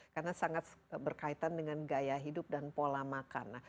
karena sangat berkaitan dengan gaya hidup dan pola makan